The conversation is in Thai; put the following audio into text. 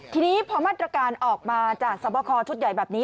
ทีนี้พอมาตรการออกมาจากสวบคอชุดใหญ่แบบนี้